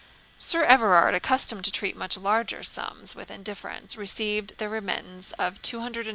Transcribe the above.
Sir Everard, accustomed to treat much larger sums with indifference, received the remittance of L294, 13S.